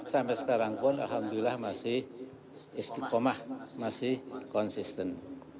sampai sekarang pun alhamdulillah masih istiqomah masih konsisten